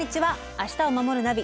「明日をまもるナビ」